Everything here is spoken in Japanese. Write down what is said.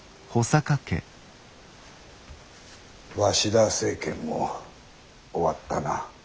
鷲田政権も終わったな。